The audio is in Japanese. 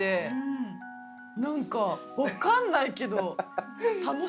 何か分かんないけど。